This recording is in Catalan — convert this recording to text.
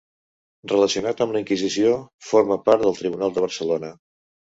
Relacionat amb la Inquisició, formà part del Tribunal de Barcelona.